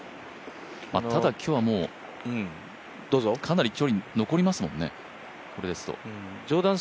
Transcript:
ただ今日は、もうかなり距離残りますもんね。